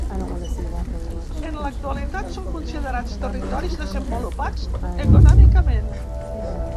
En l'actualitat, són considerats territoris desenvolupats econòmicament.